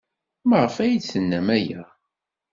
Maɣef ay d-tennam aya?